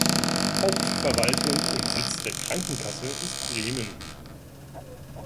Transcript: Hauptverwaltung und Sitz der Krankenkasse ist Bremen.